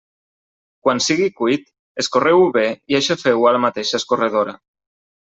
Quan sigui cuit, escorreu-ho bé i aixafeu-ho a la mateixa escorredora.